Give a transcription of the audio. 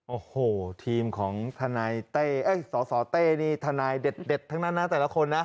โอ้โหทีมของทนายเต้ยสสเต้นี่ทนายเด็ดทั้งนั้นนะแต่ละคนนะ